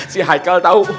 si haikal tau